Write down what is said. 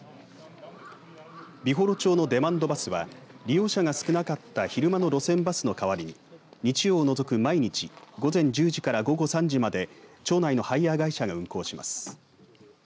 美幌町のデマンドバスは利用者が少なかった昼間の路線バスの代わりに日曜を除く毎日午前１０時から午後３時まで町内のハイヤー会社が運行します。